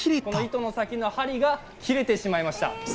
糸の先の針が切れてしまいました。